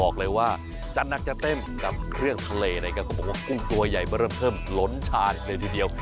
บอกเลยว่ามันจะเต็มกระตุ้นเครื่องทะเลนะคะขุมตัวใหญ่มาเริ่มเพิ่มล้นฉ่าเดี๋ยว